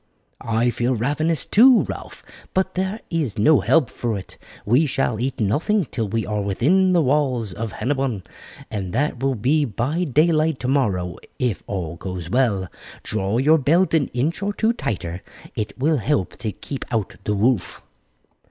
"I feel ravenous too, Ralph, but there is no help for it. We shall eat nothing till we are within the walls of Hennebon, and that will be by daylight tomorrow if all goes well. Draw your belt an inch or two tighter, it will help to keep out the wolf."